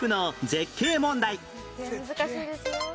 絶景難しいですよ。